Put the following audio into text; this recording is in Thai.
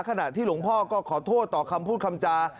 ขณะที่หลวงพ่อก็ขอโทษต่อคำพูดคำจา